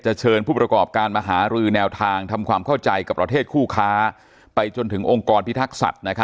เชิญผู้ประกอบการมาหารือแนวทางทำความเข้าใจกับประเทศคู่ค้าไปจนถึงองค์กรพิทักษัตริย์